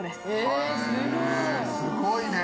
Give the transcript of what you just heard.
・すごい！